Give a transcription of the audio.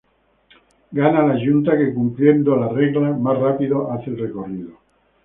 Gana la yunta que, cumpliendo las reglas, más rápido hace el recorrido.